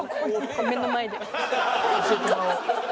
目の前で。